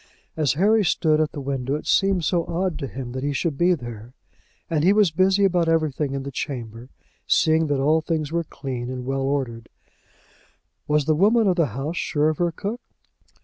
As Harry stood at the window it seemed so odd to him that he should be there. And he was busy about everything in the chamber, seeing that all things were clean and well ordered. Was the woman of the house sure of her cook?